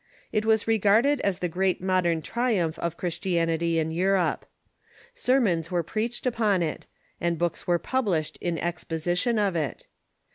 It was regarded as the great modern triumph of Christianity in Europe. Sermons were preached upon it, and books were published in exposition of it.